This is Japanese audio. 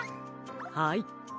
はい。